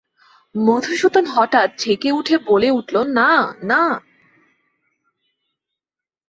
মধুসূদন হঠাৎ ঝেঁকে উঠে বলে উঠল, না না।